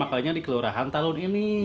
masa aku dikeluarahan tahun ini